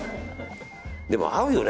でも、合うよね。